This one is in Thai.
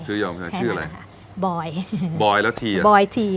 ชื่อย่อของพี่ชายชื่ออะไรชื่ออะไรค่ะบอยบอยแล้วทีบอยที